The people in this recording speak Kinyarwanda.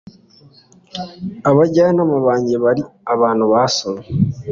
Abajyanama banjye bari abantu nasomye